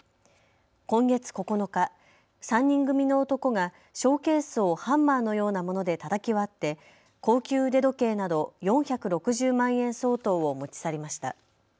今月９日、３人組の男がショーケースをハンマーのようなものでたたき割って高級腕時計など４６０万円相当を持ち去りました。